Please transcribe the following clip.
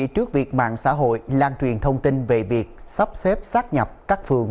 trước việc mạng xã hội lan truyền thông tin về việc sắp xếp sắp nhập các phường